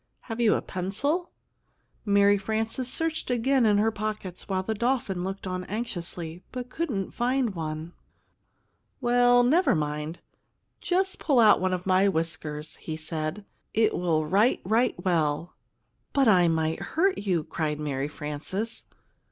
Have you a pencil?" Mary Frances searched again in her pockets, while the dolphin looked on anxiously, but couldn't find one. "Well, never mind; just pull out one of my whiskers," he said. "It will write right well." "But I might hurt you!" cried Mary Frances.